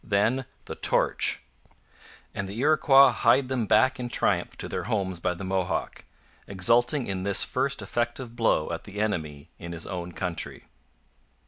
Then the torch! And the Iroquois hied them back in triumph to their homes by the Mohawk, exulting in this first effective blow at the enemy in his own country.